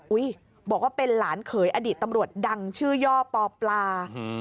บอกว่าเป็นหลานเขยอดีตตำรวจดังชื่อย่อปอปลา